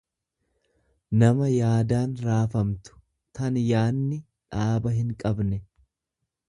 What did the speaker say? nama yaadaan raafamtu, tan yaadni dhaaba hinqabne.